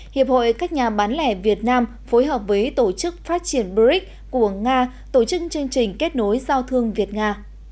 hiệp hội các nhà bán lẻ việt nam phối hợp với tổ chức phát triển brics của nga tổ chức chương trình kết nối giao thương việt nga